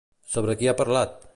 Sobre qui ha parlat?